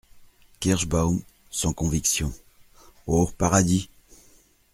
Kirschbaum, sans conviction. — Oh ! paradis !